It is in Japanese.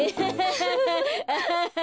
アハハハハ！